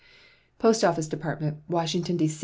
POST OFFICE DEPARTMENT, _Washington, D.